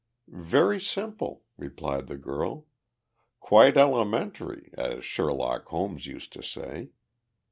"Very simple," replied the girl. "Quite elementary, as Sherlock Holmes used to say.